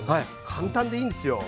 簡単でいいんすよ。